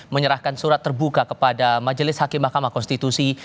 menyerahkan surat terbuka kepada majelis hakim mahkamah konstitusi